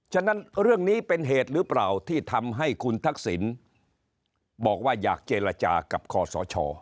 ฉะนั้นเรื่องนี้เป็นเหตุหรือเปล่าที่ทำให้คุณทักษิณบอกว่าอยากเจรจากับคอสช